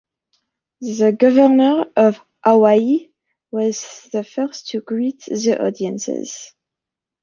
The governor of Hawaii was the first to greet the audiences.